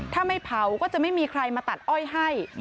ถ้าไม่เผาก็จะไม่มีใครมาตัดอ้อยให้